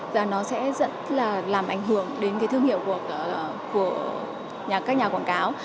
và nó sẽ rất là làm ảnh hưởng đến cái thương hiệu của các nhà quảng cáo